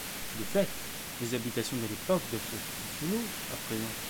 De fait, les habitations de l'époque doivent se trouver sous l'eau, à présent.